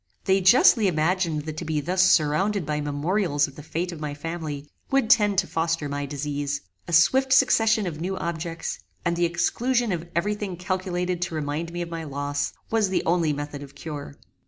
They justly imagined that to be thus surrounded by memorials of the fate of my family, would tend to foster my disease. A swift succession of new objects, and the exclusion of every thing calculated to remind me of my loss, was the only method of cure.